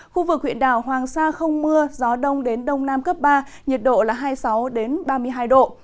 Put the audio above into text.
khu vực huyện đảo hoàng sa không mưa gió đông đến đông nam cấp ba nhiệt độ là hai mươi sáu ba mươi hai độ